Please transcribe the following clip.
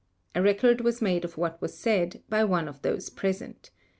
A record was made of what was said, by one of those present.